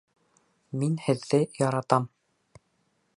Мин һеҙҙе яратам.